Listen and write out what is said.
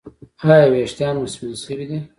ایا ویښتان مو سپین شوي دي؟